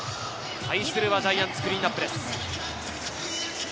対するはジャイアンツ、クリーンナップです。